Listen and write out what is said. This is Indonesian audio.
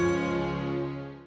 aku akan membalaskan renjamu